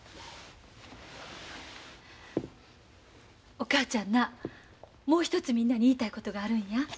お母ちゃんなもう一つみんなに言いたいことがあるんや。